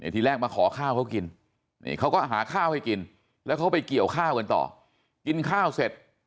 ทีแรกมาขอข้าวเขากินเขาก็หาข้าวให้กินแล้วเขาไปเกี่ยวข้าวกันต่อกินข้าวเสร็จ